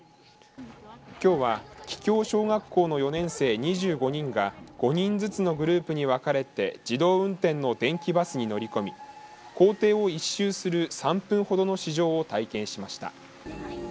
きょうは桔梗小学校の４年生２５人が５人ずつのグループに分かれて自動運転の電気バスに乗り込み校庭を１周する３分ほどの試乗を体験しました。